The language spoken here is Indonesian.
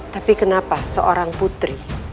tapi kenapa seorang putri